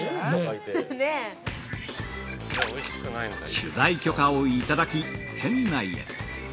◆取材許可をいただき店内へ。